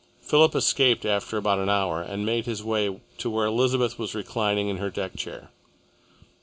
Philip escaped after about an hour and made his way to where Elizabeth was reclining in her deck chair.